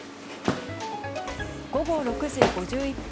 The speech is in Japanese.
午後６時５１分。